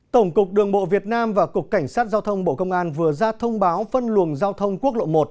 tổng cục đường bộ việt nam và cục cảnh sát giao thông bộ công an vừa ra thông báo phân luồng giao thông quốc lộ một